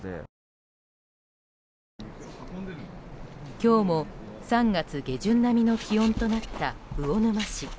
今日も３月下旬並みの気温となった魚沼市。